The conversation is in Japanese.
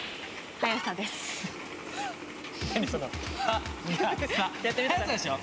速さでしょ。